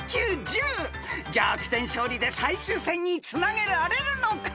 ［逆転勝利で最終戦につなげられるのか？］